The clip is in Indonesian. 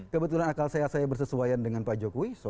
kebetulan akal sehat saya bersesuaian dengan pak joko widodo